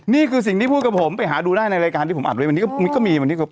นี่คือสิ่งที่พูดกับผมไปหาดูได้ในรายการที่ผมอัดไว้วันนี้ก็มีวันที่ครบ